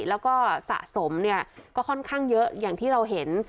แล้วก็สะสมเนี่ยก็ค่อนข้างเยอะอย่างที่เราเห็น